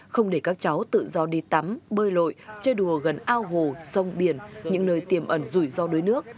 không để các cháu tự do đi tắm bơi lội chơi đùa gần ao hồ sông biển những nơi tiềm ẩn rủi ro đuối nước